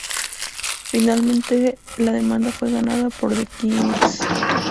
Finalmente la demanda fue ganada por The Kinks.